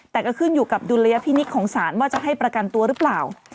แต่ก็ขึ้นอยู่กับดุลยพินิษฐ์ของศาลว่าจะให้ประกันตัวหรือเปล่า